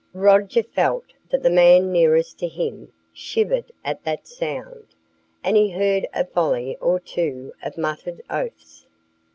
Roger felt that the man nearest to him shivered at that sound, and he heard a volley or two of muttered oaths.